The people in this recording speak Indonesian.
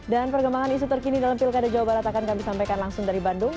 dan pergembangan isu terkini dalam pilkada jawa barat akan kami sampaikan langsung dari bandung